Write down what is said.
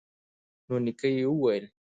نو نیکه یې وویل